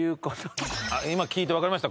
今聞いてわかりました？